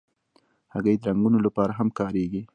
هګۍ د رنګونو لپاره هم کارېږي.